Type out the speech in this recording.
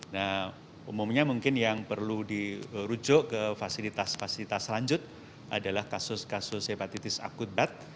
nah umumnya mungkin yang perlu dirujuk ke fasilitas fasilitas lanjut adalah kasus kasus hepatitis akut